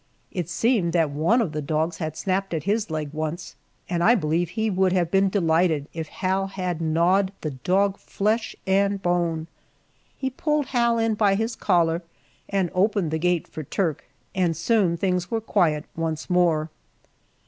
It seemed that one of the dogs had snapped at his leg once, and I believe he would have been delighted if Hal had gnawed the dog flesh and bone. He pulled Hal in by his collar and opened the gate for Turk, and soon things were quite once more.